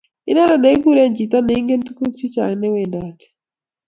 Inendet negekuree chito neingen tugun chechang newendoti